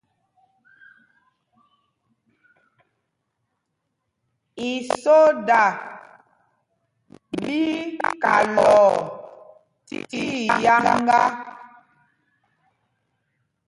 Isóda ɓí í kalɔɔ tíiyáŋgá.